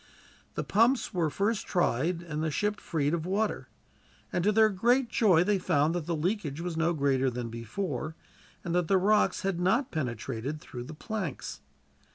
The pumps were first tried and the ship freed of water, and to their great joy they found that the leakage was no greater than before, and that the rocks had not penetrated through the planks.